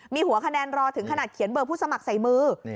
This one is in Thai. มีหัวคะแนนรอถึงขนาดเขียนเบอร์ผู้สมัครใส่มือ